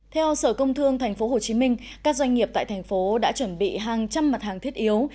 theo sở công thương tp hcm các doanh nghiệp tại thành phố đã chuẩn bị hàng trăm mặt hàng thiết yếu